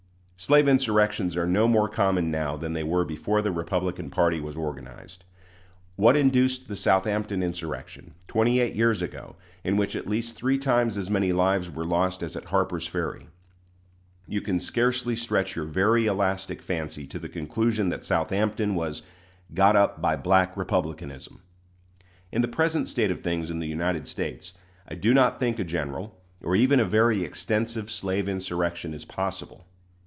Slave insurrections are no more common now than they were before the Republican party was organized. What induced the Southampton insurrection, twenty eight years ago, in which at least three times as many lives were lost as at Harper's Ferry? You can scarcely stretch your very elastic fancy to the conclusion that Southampton was "got up by Black Republicanism." In the present state of things in the United States, I do not think a general, or even a very extensive, slave insurrection is possible.